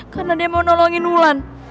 karena dia mau nolongin ulan